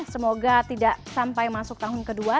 semoga tidak sampai masuk tahun kedua